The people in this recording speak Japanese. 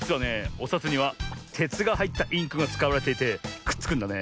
おさつにはてつがはいったインクがつかわれていてくっつくんだね。